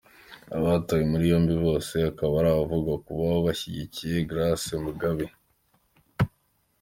Abatawe muri yombi bose akaba ari abavugwa kuba bashyigikiye Grace Mugabe.